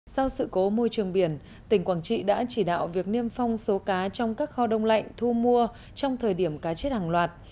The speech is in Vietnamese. sau sự cố môi trường biển tỉnh quảng trị đã chỉ đạo việc niêm phong số cá trong các kho đông lạnh thu mua trong thời điểm cá chết hàng loạt